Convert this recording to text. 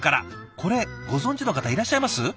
これご存じの方いらっしゃいます？